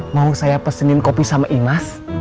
mau saya pesenin kopi sama imas